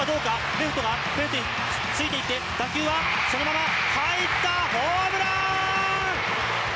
レフトがついていって打球はそのまま入ったホームラーン！